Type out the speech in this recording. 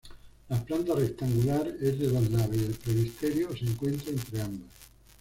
La planta rectangular es de dos naves y el presbiterio se encuentra entre ambas.